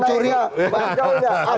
dari mana mencuri